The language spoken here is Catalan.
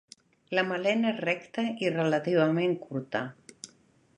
La melena és recta i relativament curta.